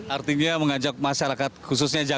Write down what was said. artinya mengajak masyarakat khususnya jakarta